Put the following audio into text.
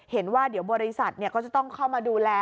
เห็นว่าเดี๋ยวบริษัทก็จะต้องเข้ามาดูแล